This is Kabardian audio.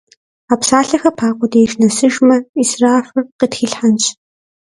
А псалъэхэр Пакъуэ деж нэсыжмэ, ӏисрафыр къытхилъхьэнщ.